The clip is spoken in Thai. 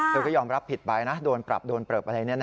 เธอก็ยอมรับผิดไปนะโดนปรับโดนเปิบอะไรแบบนี้นะฮะ